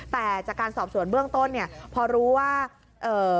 แต่จากการสอบสวนเบื้องต้นเนี่ยพอรู้ว่าเอ่อ